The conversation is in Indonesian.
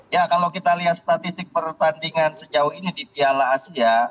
ya kalau kita lihat statistik pertandingan sejauh ini di piala asia